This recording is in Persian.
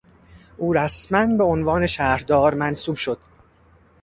او رسما به عنوان شهردار منصوب شد.